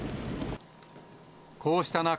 こうした中、